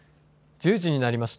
１０時になりました。